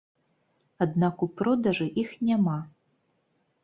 Аднак у продажы іх няма!